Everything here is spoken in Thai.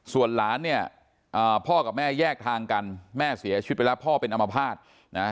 ส่วนหลานเนี่ยพ่อกับแม่แยกทางกันแม่เสียชีวิตไปแล้วพ่อเป็นอมภาษณ์นะ